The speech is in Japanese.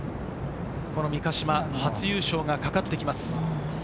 三ヶ島、初優勝がかかってきます。